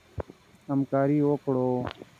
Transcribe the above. همکاري وکړو.